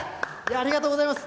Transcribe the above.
ありがとうございます。